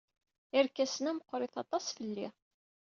Irkasen-a meɣɣrit aṭas fell-i.